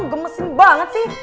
gue gemesin banget sih